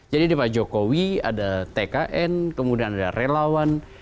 jadi di pak jokowi ada tkn kemudian ada relawan